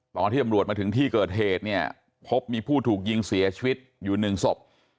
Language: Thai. ตอนที่ตำรวจมาถึงที่เกิดเหตุเนี่ยพบมีผู้ถูกยิงเสียชีวิตอยู่หนึ่งศพ